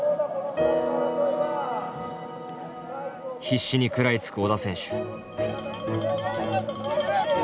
必死に食らいつく織田選手。